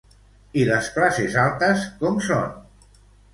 I les classes altes com són?